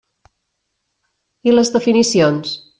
I les definicions?